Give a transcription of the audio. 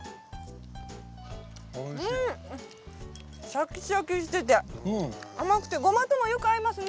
シャキシャキしてて甘くてゴマともよく合いますね。